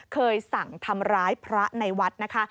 เคยสั่งทำร้ายพระในวัดนะคะ